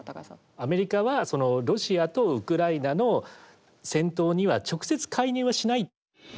アメリカはロシアとウクライナの戦闘には直接介入はしない。